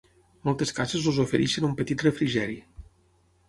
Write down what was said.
Moltes cases els ofereixen un petit refrigeri.